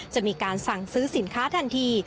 จะมีการสั่งซื้อสินค้าทันที